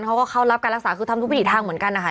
เขาก็เข้ารับการรักษาคือทำทุกวิถีทางเหมือนกันนะคะ